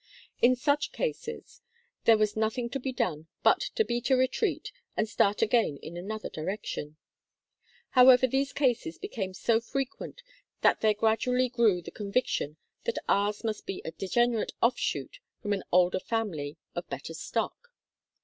In such cases, there was nothing to be done but to beat a retreat and start again in another direction. However, these cases became so frequent that there gradually grew the con viction that ours must be a degenerate offshoot from an older family of better stock.